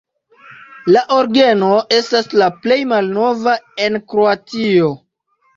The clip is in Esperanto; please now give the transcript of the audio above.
La orgeno estas la plej malnova en Kroatio.